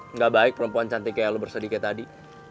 nggak baik perempuan cantik kayak lo bersedikit tadi